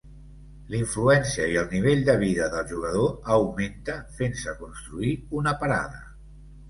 L'influencia i el nivell de vida del jugador augmenta, fent-se construir una parada.